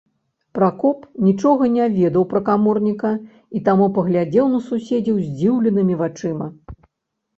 Пракоп нічога не ведаў пра каморніка і таму паглядзеў на суседзяў здзіўленымі вачыма.